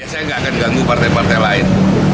saya nggak akan ganggu partai partai lain